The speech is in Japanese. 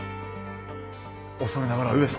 恐れながら上様。